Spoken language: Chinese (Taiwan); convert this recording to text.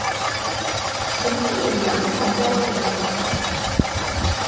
怎麼會有兩種標準呢？